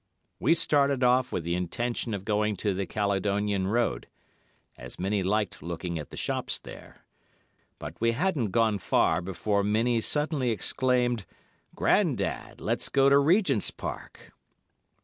We started off with the intention of going to the Caledonian Road, as Minnie liked looking at the shops there, but we hadn't gone far before Minnie suddenly exclaimed, 'Grandad, let's go to Regent's Park.